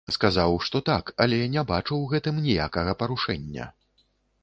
Сказаў, што так, але не бачу ў гэтым ніякага парушэння.